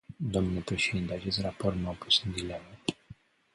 Dle președinte, acest raport m-a pus în dilemă.